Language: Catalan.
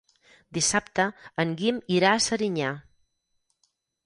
Dissabte en Guim irà a Serinyà.